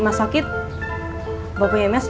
bapaknya gak mau nyanyi